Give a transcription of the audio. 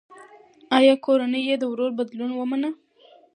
ایا کورنۍ یې د ورور بدلون ومنه؟